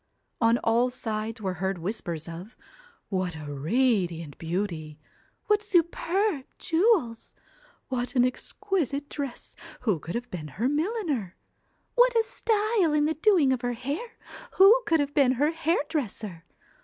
On all sides were heard whispers of, 'What a radiant beauty! what superb jewels! what an exquisite dress who could have been her milliner ? What a style in the doing of her hair who could have been her hairdresser?